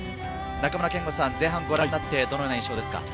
中村憲剛さん、前半ご覧になってどのような印象ですか？